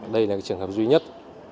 đây là trường hợp duy nhất